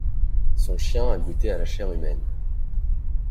Son chien a goûté à la chair humaine.